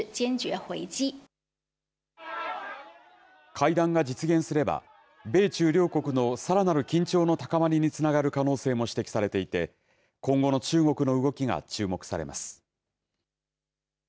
会談が実現すれば米中両国のさらなる緊張の高まりにつながる可能性も指摘されていて今後の中国の動きが注目されます。